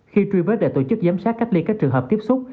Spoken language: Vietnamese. khi truy vết để tổ chức giám sát cách ly các trường hợp tiếp xúc